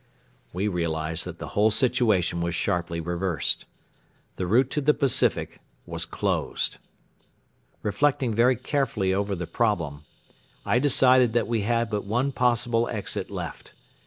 We realized that the whole situation was sharply reversed. The route to the Pacific was closed. Reflecting very carefully over the problem, I decided that we had but one possible exit left.